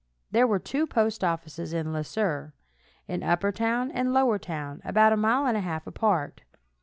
There were two postoffices in Le Sueur, in upper town and lower town, about a mile and a half apart.